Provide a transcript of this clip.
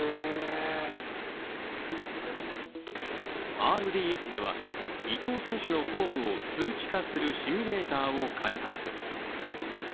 ＲＤＳでは伊藤選手のフォームを数値化するシミュレーターを開発。